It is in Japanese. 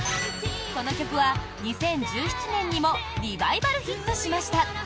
この曲は、２０１７年にもリバイバルヒットしました。